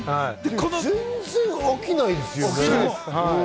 全然飽きないですよね。